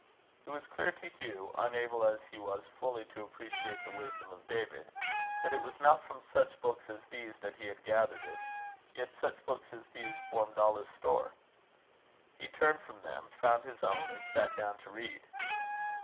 It was clear to Hugh, unable as he was fully to appreciate the wisdom of David, that it was not from such books as these that he had gathered it; yet such books as these formed all his store. He turned from them, found his own, and sat down to read.